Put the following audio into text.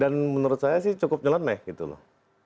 menurut saya sih cukup nyeleneh gitu loh